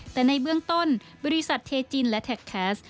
แต่ในเบื้องต้นบริษัทเทจินและแท็กแคสต์